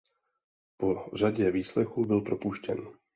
Po řadě výslechů byl propuštěn.